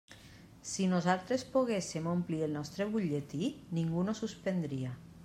Si nosaltres poguéssem omplir el nostre butlletí, ningú no suspendria.